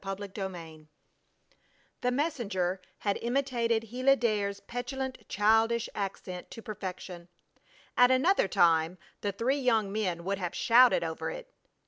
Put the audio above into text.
CHAPTER VII The messenger had imitated Gila Dare's petulant childish accent to perfection. At another time the three young men would have shouted over it.